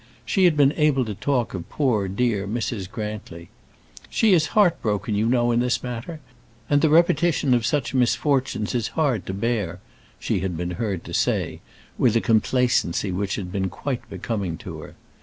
She had been able to talk of poor dear Mrs. Grantly! "She is heartbroken, you know, in this matter, and the repetition of such misfortunes is hard to bear," she had been heard to say, with a complacency which had been quite becoming to her.